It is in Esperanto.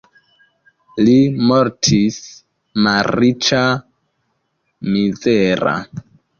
Li mortis malriĉa, mizera.